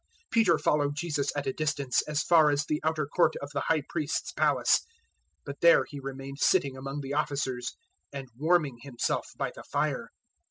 014:054 Peter followed Jesus at a distance, as far as the outer court of the High Priest's palace. But there he remained sitting among the officers, and warming himself by the fire.